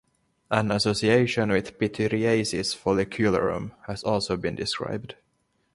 An association with pityriasis folliculorum has also been described.